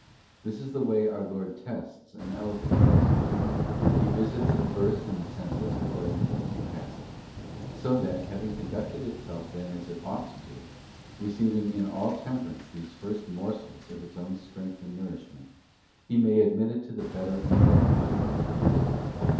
This is the way our Lord tests and elevates the soul : He visits it first in the senses according to its capacity; so that, having conducted itself then as it ought to do, receiving in all temperance these first morsels for its own strength and nourishment, He may admit it to the better and more abundant feast.